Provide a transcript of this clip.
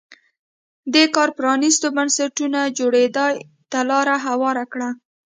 دې کار پرانیستو بنسټونو جوړېدا ته لار هواره کړه.